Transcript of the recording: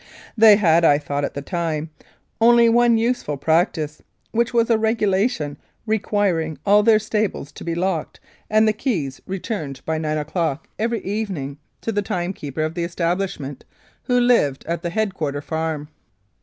They had, I thought at the time, only one useful practice, which was a regulation requiring all their stables to be locked and the keys returned by nine 16 1884. Regina o'clock every evening to the time keeper of the estab lishment, who lived at the head quarter farm.